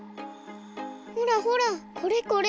ほらほらこれこれ。